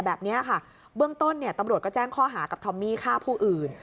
แบบนี้ค่ะเบื้องต้นเนี่ยตำรวจก็แจ้งข้อหากับทอมมี่ฆ่าผู้อื่น